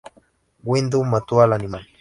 Windu mató al animal.